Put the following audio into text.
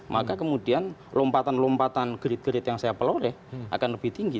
maka kemudian lompatan lompatan gerit gerit yang saya peloreh akan lebih tinggi